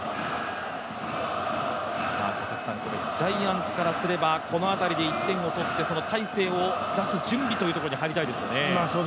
ジャイアンツからすれば、この辺りで１点を取ってその大勢を出す準備というところに入りたいですよね。